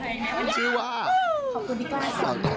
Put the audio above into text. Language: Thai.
วันนี้เกี่ยวกับกองถ่ายเราจะมาอยู่กับว่าเขาเรียกว่าอะไรอ่ะนางแบบเหรอ